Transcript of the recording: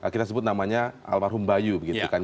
kita sebut namanya almarhum bayu gitu kan ya